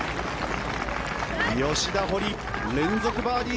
吉田、堀、連続バーディー。